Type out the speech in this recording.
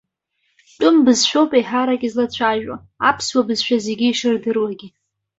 Тәым бызшәоуп еиҳарак излацәажәо, аԥсуа бызшәа зегьы ишырдыруагьы.